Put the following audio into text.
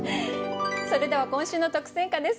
それでは今週の特選歌です。